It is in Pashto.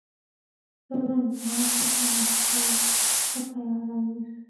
زه له امتحان څخه مخکي ښه تیاری نیسم.